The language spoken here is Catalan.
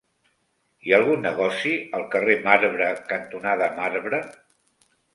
Hi ha algun negoci al carrer Marbre cantonada Marbre?